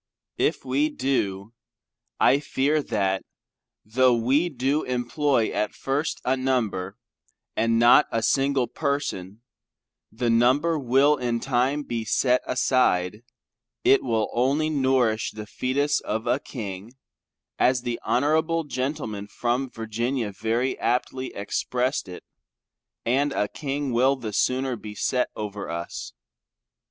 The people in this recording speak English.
If we do, I fear that tho' we do employ at first a number, and not a single person, the number will in time be set aside, it will only nourish the foetus of a King, as the honorable gentleman from Virginia very aptly expressed it, and a King will the sooner be set over us.